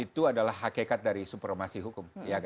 itu adalah hakikat dari supremasi hukum